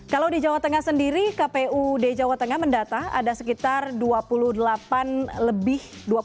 kalau di jawa tengah sendiri kpud jawa tengah mendata ada sekitar dua puluh delapan lebih